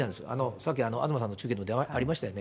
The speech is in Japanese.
さっき、東さんの中継でありましたよね。